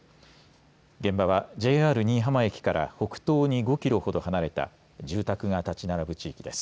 現場はＪＲ新居浜駅から北東に５キロほど離れた住宅が建ち並ぶ地域です。